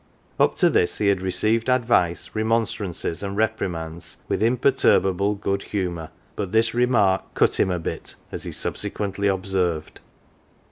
Up to this he had received advice, remonstrances, and reprimands with imperturbable good humour, but this remark " cut him a bit,"" as he subsequently observed.